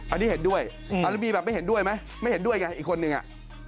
อันนี้เห็นด้วยแล้วมีแบบไม่เห็นด้วยไหมไม่เห็นด้วยไงอีกคนนึงอ่ะ